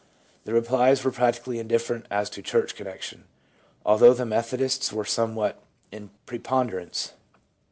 The replies were practically indifferent as to church connection, although the Methodists were somewhat in preponderance.